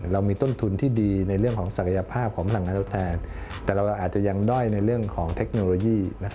เรามีต้นทุนที่ดีในเรื่องของศักยภาพของพลังงานทดแทนแต่เราอาจจะยังด้อยในเรื่องของเทคโนโลยี